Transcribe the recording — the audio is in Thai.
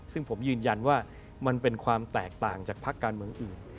ซึ่งผมยืนยันว่ามันเป็นความแตกต่างจากพักการเมืองอื่น